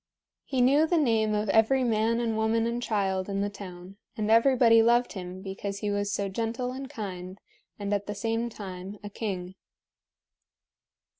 He knew the name of every man and woman and child in the town, and everybody loved him because he was so gentle and kind and at the same time a king.